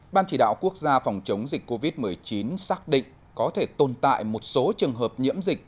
ban chỉ đạo quốc gia phòng chống dịch covid một mươi chín xác định có thể tồn tại một số trường hợp nhiễm dịch